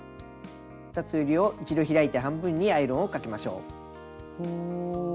２つえりを一度開いて半分にアイロンをかけましょう。